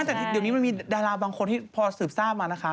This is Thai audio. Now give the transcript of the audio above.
แต่เดี๋ยวนี้มันมีดาราบางคนที่พอสืบทราบมานะคะ